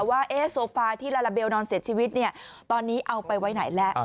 ว่าโซฟาที่ลาลาเบลนอนเสียชีวิตตอนนี้เอาไปไว้ไหนแล้ว